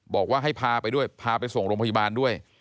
บอกว่าให้พาไปด้วยพาไปส่งโรงพยาบาลด้วย